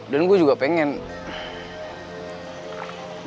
dan gue juga pengen